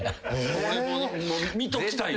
俺見ときたい。